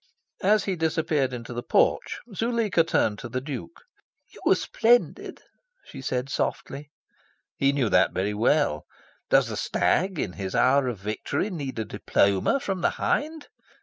As he disappeared into the porch, Zuleika turned to the Duke. "You were splendid," she said softly. He knew that very well. Does the stag in his hour of victory need a diploma from the hind?